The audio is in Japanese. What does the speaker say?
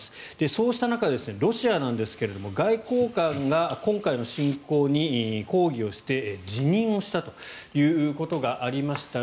そうした中、ロシアですが外交官が今回の侵攻に抗議をして辞任をしたということがありました。